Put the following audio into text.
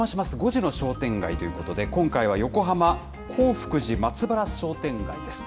５時の商店街ということで、今回は横浜・洪福寺松原商店街です。